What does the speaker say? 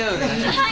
はい。